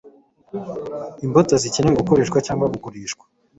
imbuto zigenewe gukoreshwa cyangwa kugurishwa